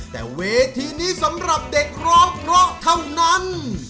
แต่เวทีนี้สำหรับเด็กร้องเพราะเท่านั้น